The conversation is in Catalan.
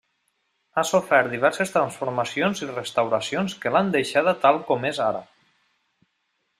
Ha sofert diverses transformacions i restauracions que l'han deixada tal com és ara.